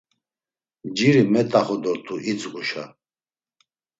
Nciri met̆axu dort̆u idzğuşa.